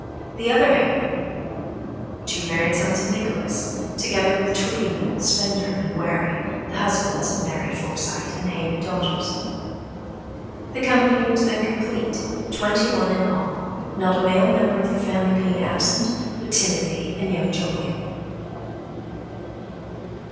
The other Hayman; two married sons of Nicholas, together with Tweetyman, Spender, and Warry, the husbands of married Forsyte and Hayman daughters. The company was then complete, twenty one in all, not a male member of the family being absent but Timothy and young Jolyon.